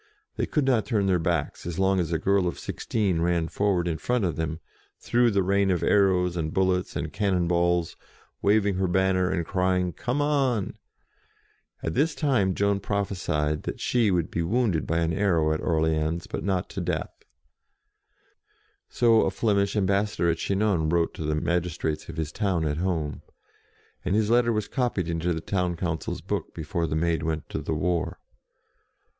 They could not turn their backs as long as a girl of sixteen ran forward in front of them, through the rain of arrows, SEES THE DAUPHIN 33 and bullets, and cannon balls, waving her banner, and crying " Come on !" At this time Joan prophesied that she would be wounded by an arrow at Orleans, but not to death. So a Flemish ambas sador at Chinon wrote to the magistrates of his town at home, and his letter was copied into the town council's book, before the Maid went to the war.